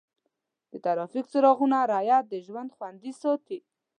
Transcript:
د ټرافیک څراغونو رعایت د ژوند خوندي ساتي.